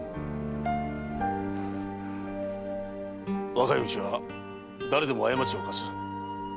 若いうちは誰でも過ちを犯す。